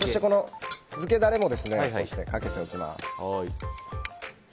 漬けタレもかけておきます。